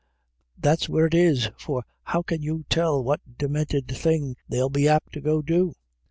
" That's where it is ; for how can you tell what deminted thing they'll be apt to go do?